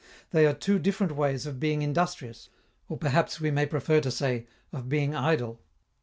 They are two different ways of being industrious, or perhaps we may prefer to say, of being idle.